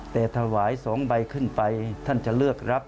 แต่ถวาย๒ใบขึ้นไปท่านจะเลือกรับ